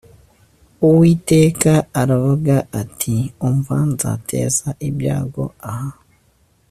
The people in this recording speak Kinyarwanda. uwiteka aravuga ati umva nzateza ibyago aha